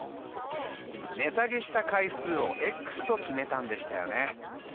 値下げした回数をと決めたんでしたよね。